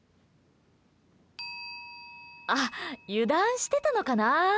あ、油断してたのかな？